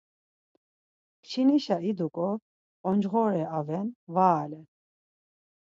Kçinişa iduǩo oncğore aven, var alen.